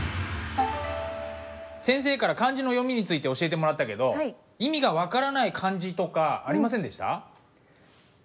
先生から漢字の読みについて教えてもらったけど意味が分からない漢字とかありませんでした？